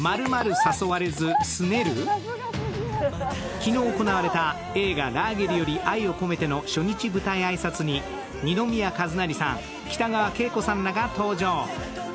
昨日行われた映画「ラーゲリより愛を込めて」の初日舞台挨拶に二宮和也さん、北川景子さんらが登場。